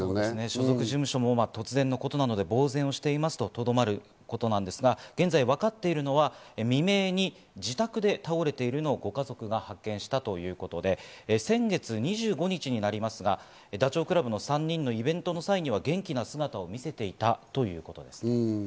所属事務所も突然のことで呆然としているということで、現在分かっているのは未明に自宅で倒れているのをご家族が発見したということで、先月２５日になりますが、ダチョウ倶楽部の３人のイベントの際には元気な姿を見せていたということです。